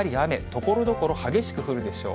ところどころ激しく降るでしょう。